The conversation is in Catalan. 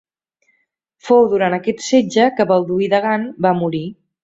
Fou durant aquest setge que Balduí de Gant va morir.